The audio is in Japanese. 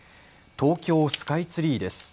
東京スカイツリーです。